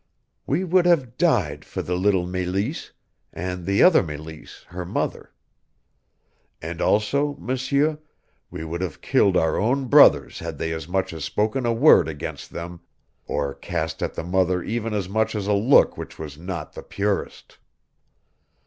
We would have died for the little Meleese, and the other Meleese, her mother. And also, M'seur, we would have killed our own brothers had they as much as spoken a word against them or cast at the mother even as much as a look which was not the purest.